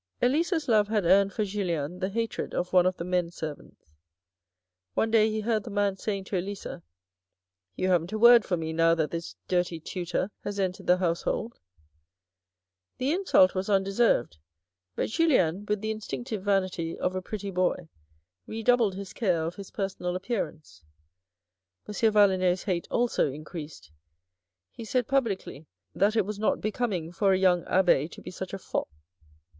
Elisa's love had earned for Julien the hatred of one of the men servants. One day he heard the man saying to Elisa, " You haven't a word for me now that this dirty tutor has entered the household." The insult was un deserved, but Julien with the instinctive vanity ot a pretty boy redoubled his care of his personal appearance. M. Valenod's hate also increased. He said publicly, that it was not be coming for a young abbe to be such a fop.